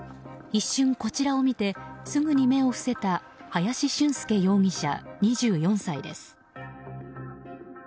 一瞬、こちらを見てすぐに目を伏せた林駿佑容疑者、２４歳です。